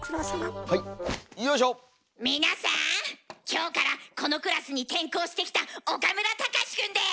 今日からこのクラスに転校してきた岡村隆史くんです！